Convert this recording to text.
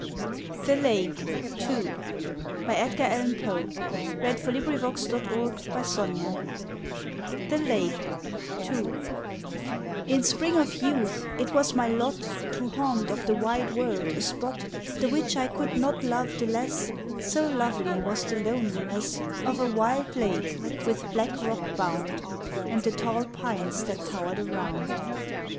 al tears descend in gems. [Illustration: The Valley of Unrest] _THE LAKE TO _ In spring of youth it was my lot To haunt of the wide world a spot The which I could not love the less So lovely was the loneliness Of a wild lake, with black rock bound, And the tall pines that towered around.